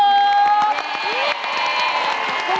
ราคาถูกที่สุด